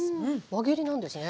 輪切りなんですね。